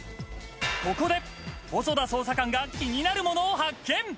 ここで細田捜査官が気になるものを発見。